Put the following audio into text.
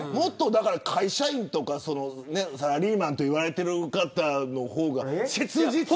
会社員とかサラリーマンといわれている方の方が切実に。